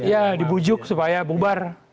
iya dibujuk supaya bubar